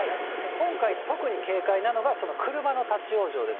今回、特に警戒なのが、その車の立往生です。